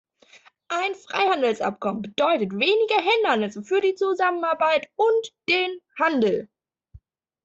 Ein Freihandelsabkommen bedeutet weniger Hindernisse für die Zusammenarbeit und den Handel.